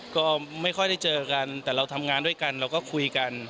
ก็ไม่ค่อยได้เจอกันแต่เราทำงานด้วยกันเราก็คุยกัน